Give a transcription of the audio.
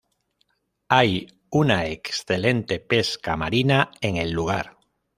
Hay una excelente pesca marina en el lugar.